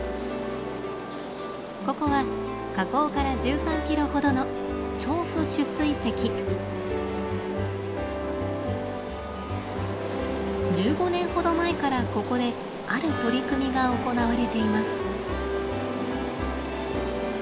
ここは河口から１３キロほどの１５年ほど前からここである取り組みが行われています。